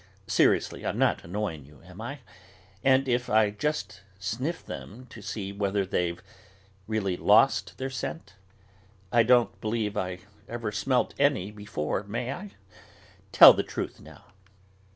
Seriously, I'm not annoying you, am I? And if I just sniff them to see whether they've really lost all their scent? I don't believe I ever smelt any before; may I? Tell the truth, now."